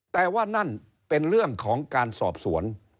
แต่ว่านั่นเป็นเรื่องของการสอบสวน